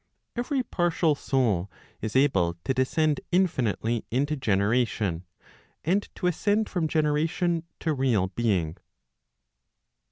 Every partial soul is able to descend infinitely into generation, and to ascend from generation to real being.